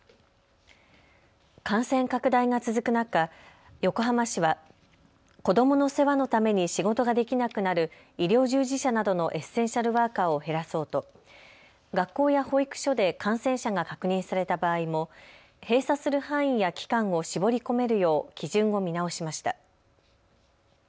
感染拡大が続く中、横浜市は子どもの世話のために仕事ができなくなる医療従事者などのエッセンシャルワーカーを減らそうと学校や保育所で感染者が確認された場合も閉鎖する範囲や期間を絞り込めるよう基準を見直しました。